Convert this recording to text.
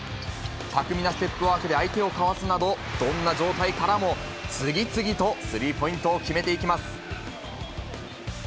巧みなステップワークで相手をかわすなど、どんな状態からも次々とスリーポイントを決めていきます。